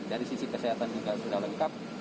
dari sisi kesehatan juga sudah lengkap